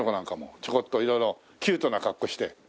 ちょこっと色々キュートな格好して。